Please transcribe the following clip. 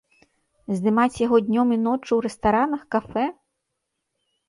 Здымаць яго днём і ноччу ў рэстаранах, кафэ?